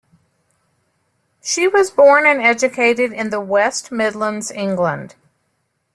She was born and educated in the West Midlands, England.